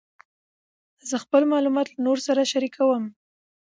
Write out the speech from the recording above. زه خپل معلومات له نورو سره شریکوم.